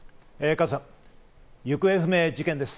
加藤さん、行方不明事件です。